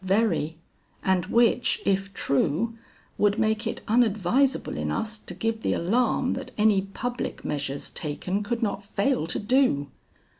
"Very, and which, if true, would make it unadvisable in us to give the alarm that any public measures taken could not fail to do."